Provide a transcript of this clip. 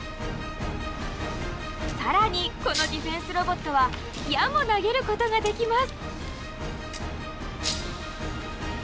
さらにこのディフェンスロボットは矢も投げることができます。